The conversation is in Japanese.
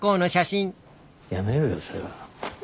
やめようよそれは。